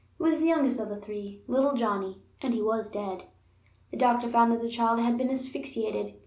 It was the youngest of the three, little Johnnie, and he was dead. The doctor found that the child had been asphyxiated.